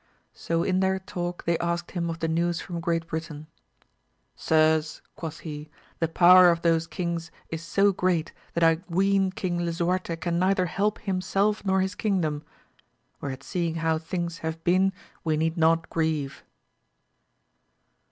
So in their talk they asked him of the news from Great Britain. Sirs, quoth he, the power of those kings is so great that I ween King Lisuarte can neither help himself nor his kingdom, whereat seeing how things have been we need not grieve.